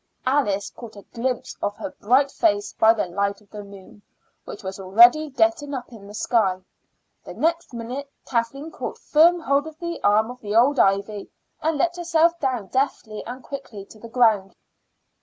Alice caught a glimpse of her bright face by the light of the moon, which was already getting up in the sky. The next minute Kathleen caught firm hold of the arm of old ivy and let herself down deftly and quickly to the ground.